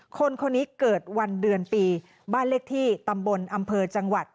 คนคนนี้เกิดวันเดือนปีบ้านเลขที่ตำบลอำเภอจังหวัด